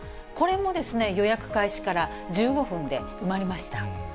これも予約開始から１５分で埋まりました。